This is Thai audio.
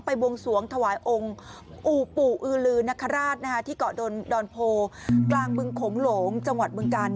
บวงสวงถวายองค์อู่ปู่อือลือนคราชที่เกาะดอนโพกลางบึงโขงหลงจังหวัดบึงกาล